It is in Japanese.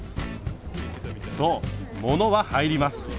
そう物は入ります。